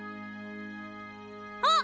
あっ！